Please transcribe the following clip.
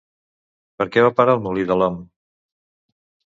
Per què va parar al molí de l'Om?